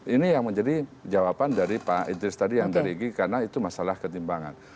ini yang menjadi jawaban dari pak idris tadi yang dari ig karena itu masalah ketimbangan